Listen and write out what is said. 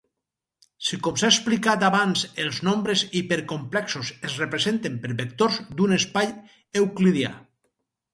Si com s'ha explicat abans els nombres hipercomplexos es representen per vectors d'un espai euclidià.